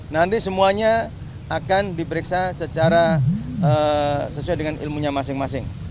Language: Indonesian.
nanti semuanya akan diperiksa sesuai dengan ilmunya masing masing